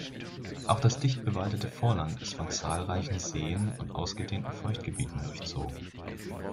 Auch das dicht bewaldete Vorland ist von zahlreichen Seen und ausgedehnten Feuchtgebieten durchzogen.